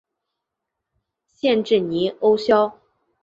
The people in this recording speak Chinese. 县治尼欧肖。